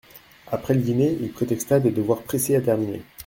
Après le dîner il prétexta des devoirs pressés à terminer.